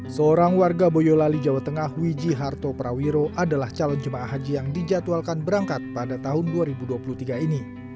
seorang warga boyolali jawa tengah wiji harto prawiro adalah calon jemaah haji yang dijadwalkan berangkat pada tahun dua ribu dua puluh tiga ini